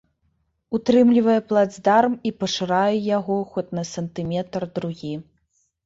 Утрымлівае плацдарм і пашырае яго хоць на сантыметр-другі.